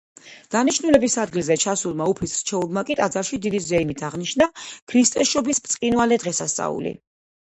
დანიშნულების ადგილზე ჩასულმა უფლის რჩეულმა კი ტაძარში დიდი ზეიმით აღნიშნა ქრისტეშობის ბრწყინვალე დღესასწაული.